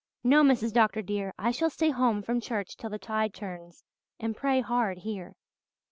No, Mrs. Dr. dear, I shall stay home from church till the tide turns and pray hard here."